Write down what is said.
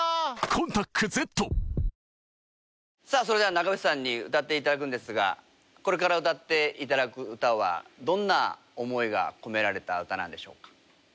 それでは長渕さんに歌っていただくんですがこれから歌っていただく歌はどんな思いが込められた歌なんでしょうか？